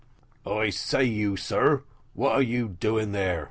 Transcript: "I say, you sir, what are you doing there?"